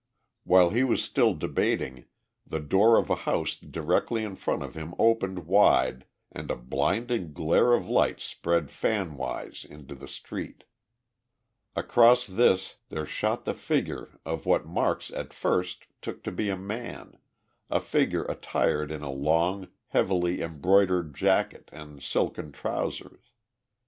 While he was still debating the door of a house directly in front of him opened wide and a blinding glare of light spread fanwise into the street. Across this there shot the figure of what Marks at first took to be a man a figure attired in a long, heavily embroidered jacket and silken trousers.